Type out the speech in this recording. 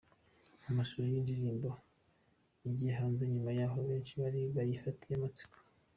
Amashusho y’iyi ndirimbo agiye hanze nyuma y’aho benshi bari bayafitiye amatsiko.